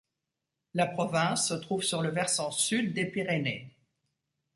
La province se trouve sur le versant sud des Pyrénées.